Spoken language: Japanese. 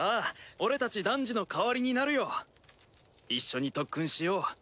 俺達ダンジの代わりになるよ一緒に特訓しよう